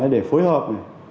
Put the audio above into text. để phối hợp